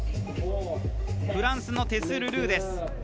フランスのテス・ルドゥーです。